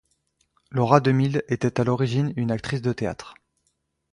Laura De Mille était à l'origine une actrice de théâtre.